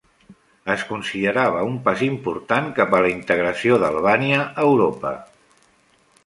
Es considerava un pas important cap a la integració d'Albània a Europa.